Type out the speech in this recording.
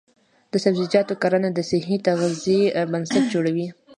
د سبزیجاتو کرنه د صحي تغذیې بنسټ جوړوي.